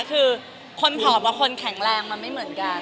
คือคนผอมกับคนแข็งแรงมันไม่เหมือนกัน